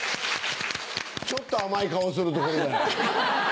ちょっと甘い顔するとこれだよ。